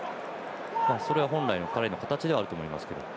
それが、本来の彼の形ではあると思いますけども。